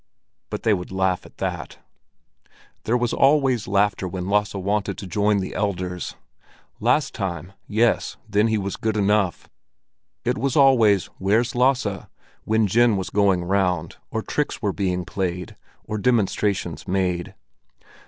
But they would laugh at that. There was always laughter when Lasse wanted to join the elders. Last time—yes, then he was good enough. It was always "Where's Lasse?" when gin was going round, or tricks were being played, or demonstrations made.